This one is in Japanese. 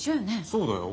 そうだよ。